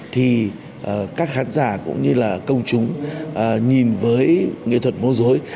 thì các khán giả cũng như là công chúng nhìn với nghệ thuật múa rối